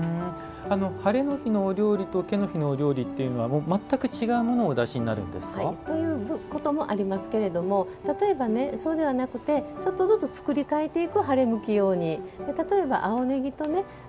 ハレの日のお料理とケの日のお料理というのは全く違うものをお出しになるんですか？ということもありますけど例えば、そうではなくてちょっとずつ作り変えていく。